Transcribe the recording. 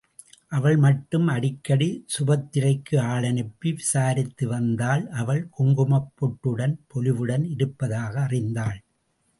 அவள் மட்டும் அடிக்கடி சுபத்திரைக்கு ஆள் அனுப்பி விசாரித்து வந்தாள் அவள் குங்குமப் பொட்டுடன் பொலிவுடன் இருப்பதாக அறிந்தாள்.